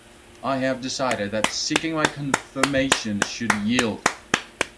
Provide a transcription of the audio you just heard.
I have decided that seeking my confirmation should yield.